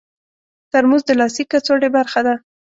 ترموز د لاسي کڅوړې برخه ده.